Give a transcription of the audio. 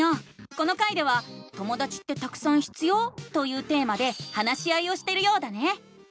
この回では「ともだちってたくさん必要？」というテーマで話し合いをしてるようだね！